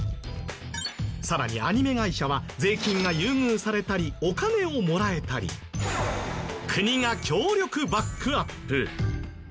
さらにアニメ会社は税金が優遇されたりお金をもらえたり国が強力バックアップ！